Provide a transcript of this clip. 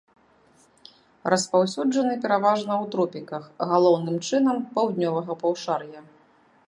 Распаўсюджаны пераважна ў тропіках, галоўным чынам, паўднёвага паўшар'я.